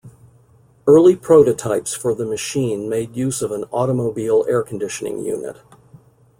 Early prototypes for the machine made use of an automobile air conditioning unit.